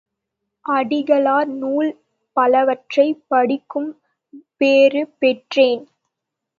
அடிகளார் நூல் பலவற்றைப் படிக்கும் பேறு பெற்றேன்.